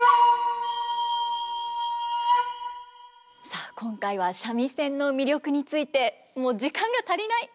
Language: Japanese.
さあ今回は三味線の魅力についてもう時間が足りない！